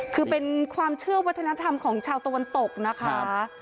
คือเป็นความเชื่อวัฒนธรรมของชาวตะวันตกนะคะ